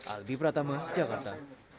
albi pratama jakarta